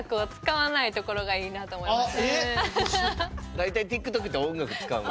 大体ＴｉｋＴｏｋって音楽使うんや。